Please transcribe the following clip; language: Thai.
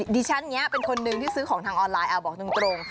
ดิฉันอย่างนี้เป็นคนนึงที่ซื้อของทางออนไลน์เอาบอกตรง